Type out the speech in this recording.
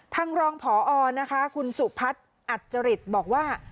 ทางรองพอนะคะคุณสุพัฒน์อัจจริตบอกว่า